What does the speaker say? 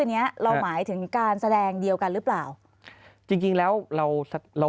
เนี้ยเราหมายถึงการแสดงเดียวกันหรือเปล่าจริงจริงแล้วเราเรา